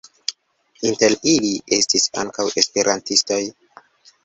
Inter ili estis ankaŭ esperantistoj.